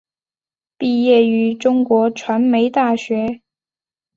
毕业于中国传媒大学。